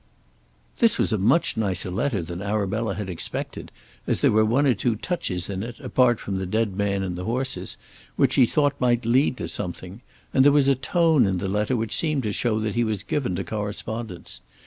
This was a much nicer letter than Arabella had expected, as there were one or two touches in it, apart from the dead man and the horses, which she thought might lead to something, and there was a tone in the letter which seemed to show that he was given to correspondence.